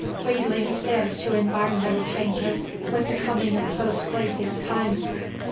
We linked this to environmental changes with the coming of post glacial times.